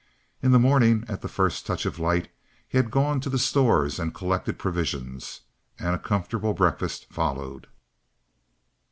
In the morning, at the first touch of light, he had gone to the stores and collected provisions. And a comfortable breakfast followed.